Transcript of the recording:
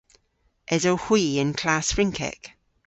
Esowgh hwi y'n klass Frynkek?